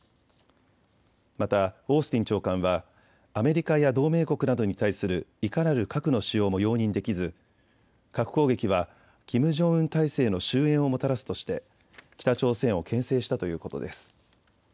またオースティン長官はアメリカや同盟国などに対するいかなる核の使用も容認できず核攻撃はキム・ジョンウン体制の終えんをもたらすとして北朝鮮をけん制したということです。